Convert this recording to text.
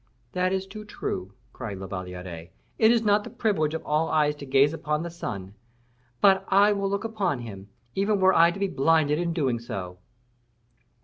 "That is too true," cried La Valliere; "it is not the privilege of all eyes to gaze upon the sun; but I will look upon him, even were I to be blinded in doing so."